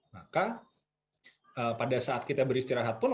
maka pada saat kita beristirahat pun